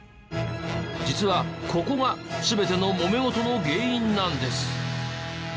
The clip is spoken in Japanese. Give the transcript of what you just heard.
実はここが全てのもめ事の原因なんです。